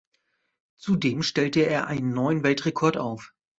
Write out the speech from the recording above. Zudem stellte er einen neuen Weltrekord auf.